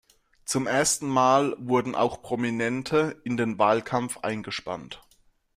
Zum ersten Mal wurden auch Prominente in den Wahlkampf eingespannt.